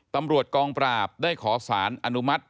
ตำรวจกองปราบได้ขอสารอนุมัติ